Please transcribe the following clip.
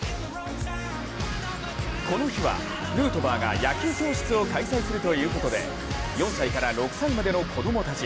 この日はヌートバーが野球教室を開催するということで４歳から６歳までの子供たち